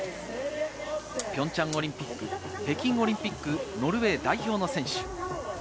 ピョンチャンオリンピック、北京オリンピック、ノルウェー代表選手。